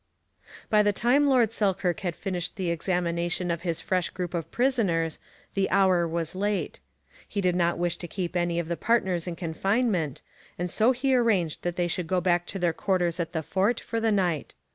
By the time Lord Selkirk had finished the examination of his fresh group of prisoners the hour was late. He did not wish to keep any of the partners in confinement, and so he arranged that they should go back to their quarters at the fort for the night.